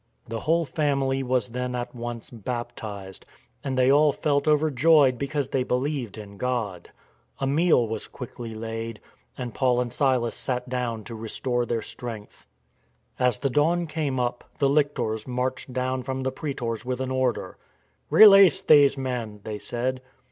The whole family was then at once baptised, and they all felt overjoyed because they believed in God. A meal was quickly laid, and Paul and Silas sat down to restore their strength. As the dawn came up, the lictors marched down from the praetors with an order. " Release these men," they said.